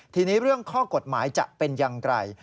ทีนี้เรื่องข้อกฎหมายจะเป็นอย่างไร